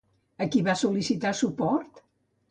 A qui va sol·licitar suport?